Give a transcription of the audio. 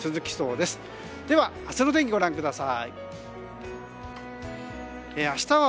では、明日の天気をご覧ください。